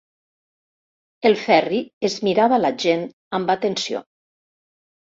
El Ferri es mirava la gent amb atenció.